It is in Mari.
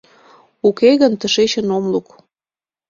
Уке гын тышечын ом лук!